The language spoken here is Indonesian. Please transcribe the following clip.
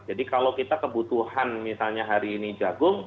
jadi kalau kita kebutuhan misalnya hari ini jagung